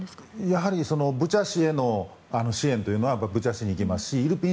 やはり、ブチャ市への支援というのはブチャ市に行きますしイルピン